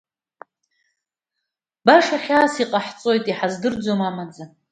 Баша хьаас иҟаҳҵоит, иҳаздырӡом амаӡа.